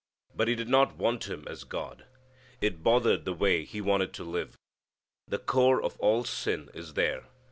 But he did not want Him as God. It bothered the way he wanted to live. The core of all sin is there.